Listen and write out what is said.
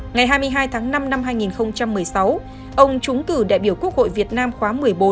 ngày hai mươi hai tháng năm năm hai nghìn một mươi sáu ông trúng cử đại biểu quốc hội việt nam khóa một mươi bốn